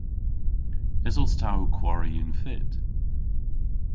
Esos ta ow kwari y'n fytt?